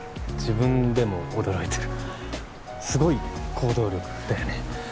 自分でも驚いてるすごい行動力だよね